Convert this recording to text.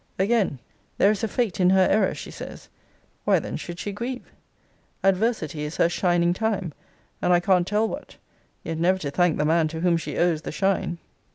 Again, 'There is a fate in her error,' she says Why then should she grieve? 'Adversity is her shining time,' and I can't tell what; yet never to thank the man to whom she owes the shine!